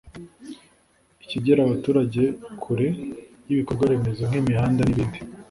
ikegera abaturage kure y’ibikorwaremezo nk’imihanda n’ibindi